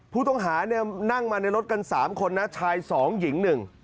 ผู้ต้องหานั่งมาในรถกัน๓คนน่ะชาย๒หญิง๑